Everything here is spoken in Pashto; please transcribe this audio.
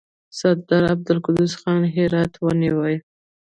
سردار عبدالقدوس خان هرات ونیوی.